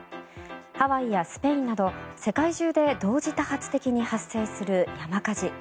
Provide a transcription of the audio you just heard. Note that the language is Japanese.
ハワイやスペインなど世界中で同時多発的に発生する山火事。